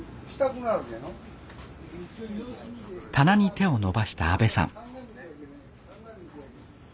棚に手を伸ばした安部さん